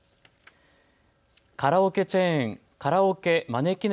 カラオケチェーンカラオケまねきね